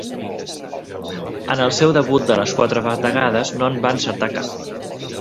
En el seu debut de les quatre bategades no en va encertar cap.